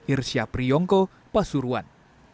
irsyapri yongko pasuruan